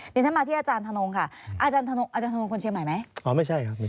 ตีนฉันมาที่อทนค่ะอทนคนเชียงใหม่ไหม